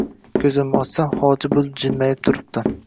Ko‘zimni ochsam, Hoji buvi jilmayib turibdi.